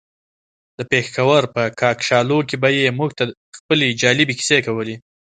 د پېښور په کاکشالو کې به يې موږ ته خپلې جالبې کيسې کولې.